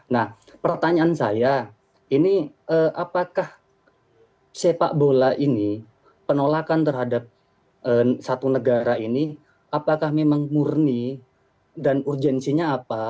nah pertanyaan saya ini apakah sepak bola ini penolakan terhadap satu negara ini apakah memang murni dan urgensinya apa